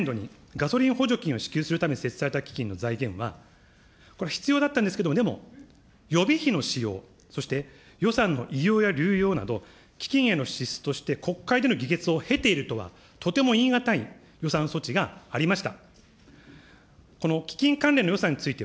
例えば令和３年度に、ガソリン補助金を支給するために設置された基金の財源は、これ、必要だったんですけど、でも予備費の使用、予算の遺漏や流用など、基金への支出として国会での議決を経ているとはとても言い難い予算措置がありました。